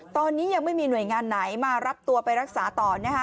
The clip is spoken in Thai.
ตอนนี้ยังไม่มีหน่วยงานไหนมารับตัวไปรักษาต่อนะฮะ